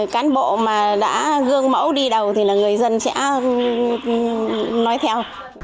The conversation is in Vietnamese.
cán bộ mà đã gương mẫu đi đầu thì là người dân sẽ nói theo